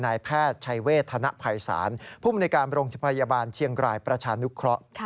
นายแพทย์ชัยเวทธนภัยสารผู้บริการโรงพยาบาลเชียงกรายประชานุคระ